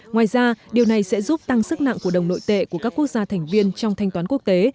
ngoài ra điều này sẽ giúp tăng sức nặng của đồng nội tệ của các quốc gia thành viên trong thanh toán quốc tế